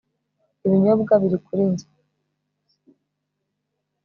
Ibinyobwa biri kuri njye